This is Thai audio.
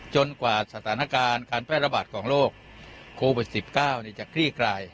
จนกว่าสถานการณ์การแพร่ระบาดของโลกโควิดสิบเก้าเนี่ยจะคลี่กลาย